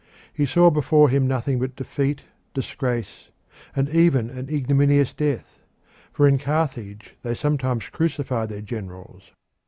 He saw before him nothing but defeat, disgrace, and even an ignominious death for in Carthage they sometimes crucified their generals.